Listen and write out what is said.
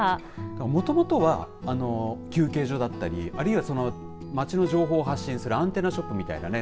もともとは休憩所だったりあるいはその街の情報を発信するアンテナショップみたいなね。